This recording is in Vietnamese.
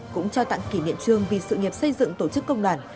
cũng trao tặng kỷ niệm trương vì sự nghiệp xây dựng tổ chức công đoàn